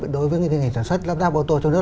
đối với nghề sản xuất lắp ráp ô tô trong nước